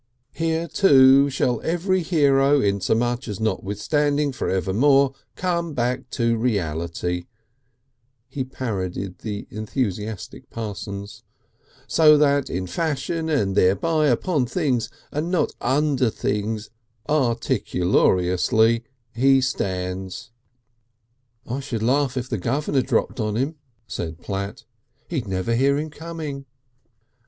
"So too shall every Hero inasmuch as notwithstanding for evermore come back to Reality," he parodied the enthusiastic Parsons, "so that in fashion and thereby, upon things and not under things articulariously He stands." "I should laugh if the Governor dropped on him," said Platt. "He'd never hear him coming."